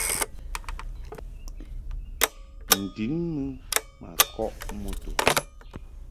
N-din mɨ ma kɔʼ moto.